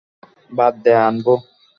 বাদ দে, আনবু।